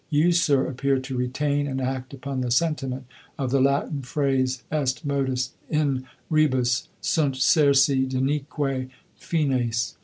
You, sir, appear to retain and act upon the sentiment of the Latin phrase, "'Est modus in rebus, sunt certi denique fines.'